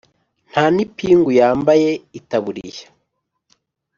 ntanipingu yambaye.itaburiya